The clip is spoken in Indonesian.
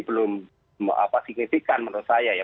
belum signifikan menurut saya ya